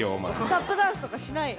タップダンスとかしないの？